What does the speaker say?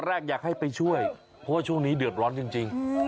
แรกอยากให้ไปช่วยเพราะว่าช่วงนี้เดือดร้อนจริง